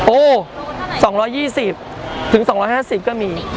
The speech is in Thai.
โอ้๒๒๐ถึง๒๕๐ก็มี